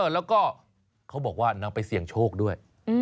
แล้วก็เขาบอกว่านำไปเสี่ยงโชคด้วย